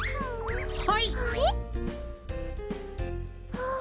ああ。